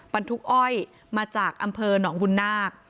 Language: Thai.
ปันทุกอ้อยมาจากอำเภอน้องวุณนาค